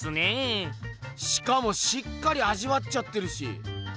しかもしっかり味わっちゃってるし。